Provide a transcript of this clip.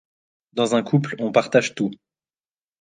Dans un couple on partage tout.